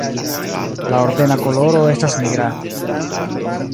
La ordena koloro estas nigra.